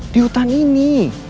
di hutan ini